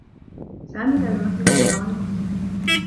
سامي لا يمثّل خطرا لأختك.